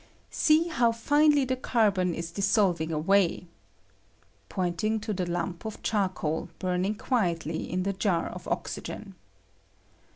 See how finely the carbon is dissolving away [pointing to the lump of charcoal burning quietly in the jar of oxygen].